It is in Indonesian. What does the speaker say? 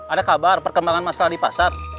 ada kabar perkembangan masalah di pasar